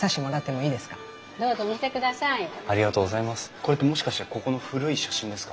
これってもしかしてここの古い写真ですか？